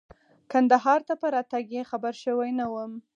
کندهار ته په راتګ یې خبر شوی نه وم.